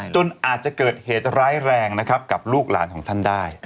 จนอาจจะเกิดเหตุร้ายแรงนะครับกับลูกหลานของท่านได้